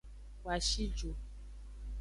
Woa shi ju.